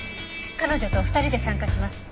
彼女と２人で参加します。